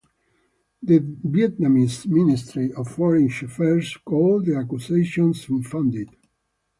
The Vietnamese Ministry of Foreign Affairs called the accusations unfounded.